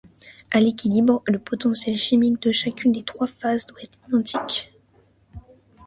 À l'équilibre, le potentiel chimique de chacune des trois phases doit être identique.